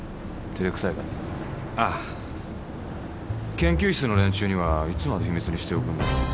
研究室の連中にはいつまで秘密にしておくんだ？